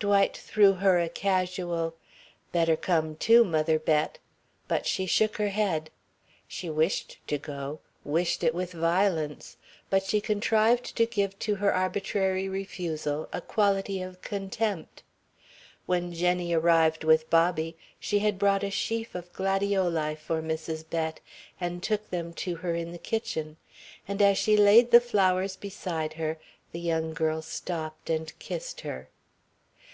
Dwight threw her a casual "Better come, too, Mother Bett," but she shook her head. She wished to go, wished it with violence, but she contrived to give to her arbitrary refusal a quality of contempt. When Jenny arrived with Bobby, she had brought a sheaf of gladioli for Mrs. Bett, and took them to her in the kitchen, and as she laid the flowers beside her, the young girl stopped and kissed her.